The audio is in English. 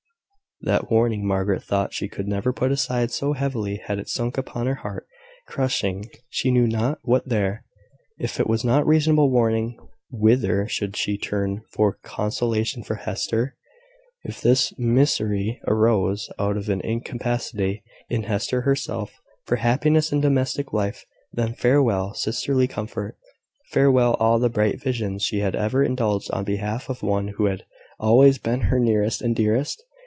That warning Margaret thought she could never put aside, so heavily had it sunk upon her heart, crushing she knew not what there. If it was not a reasonable warning, whither should she turn for consolation for Hester? If this misery arose out of an incapacity in Hester herself for happiness in domestic life, then farewell sisterly comfort farewell all the bright visions she had ever indulged on behalf of the one who had always been her nearest and dearest?